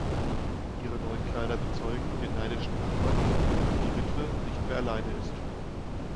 Ihre neuen Kleider bezeugen den neidischen Nachbarn, dass die Witwe nicht mehr alleine ist.